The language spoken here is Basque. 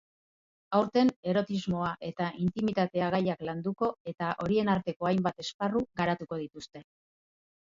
Aurten erotismoa eta intimitatea gaiak landuko eta horien arteko hainbat esparru garatuko dituzte.